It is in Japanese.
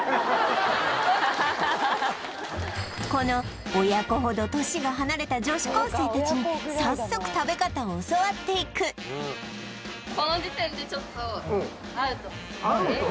この親子ほど年が離れた女子高生たちに早速食べ方を教わっていくアウト？